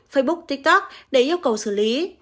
facebook tiktok để yêu cầu xử lý